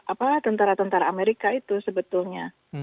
apalah tentara tentara amerika itu sebetulnya